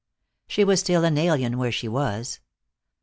She was still an alien where she was.